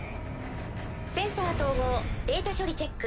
センサー統合データ処理チェック。